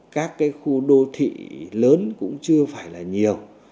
các cái khu đô thị lớn cũng chưa phải là nhiều